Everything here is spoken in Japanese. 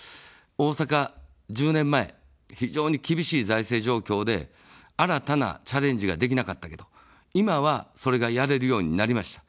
大阪１０年前、非常に厳しい財政状況で、新たなチャレンジができなかったけど、今は、それがやれるようになりました。